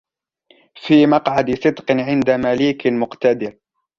فِي مَقْعَدِ صِدْقٍ عِندَ مَلِيكٍ مُّقْتَدِرٍ